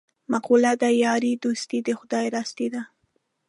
مقوله ده: یاري دوستي د خدای راستي ده.